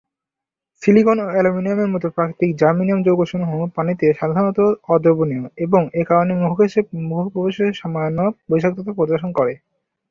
Silicon ও অ্যালুমিনিয়ামের মতো প্রাকৃতিক জার্মেনিয়াম যৌগসমূহ পানিতে সাধারণত অদ্রবণীয় এবং এ কারণে মুখে প্রবেশে সামান্য বিষাক্ততা প্রদর্শন করে।